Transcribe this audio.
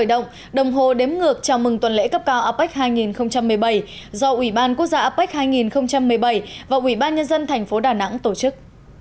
đồng hồ đếm ngược chào mừng tuần lễ cấp cao apec hai nghìn một mươi bảy do ủy ban quốc gia apec hai nghìn một mươi bảy và ủy ban nhân dân thành phố đà nẵng tổ chức